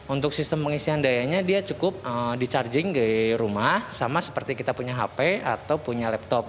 untuk sistem pengisian dayanya dia cukup di charging di rumah sama seperti kita punya hp atau punya laptop